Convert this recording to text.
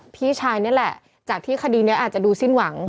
พี่ชายนี่แหละจากที่คดีนี้อาจจะดูสิ้นหวัง